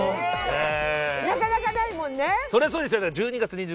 なかなかないもんね。